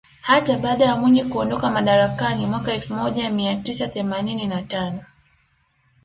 Hata baada ya Mwinyi kuondoka madarakani mwaka elfu moja mia tisa themanini na tano